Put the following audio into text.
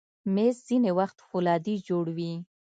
مېز ځینې وخت فولادي جوړ وي.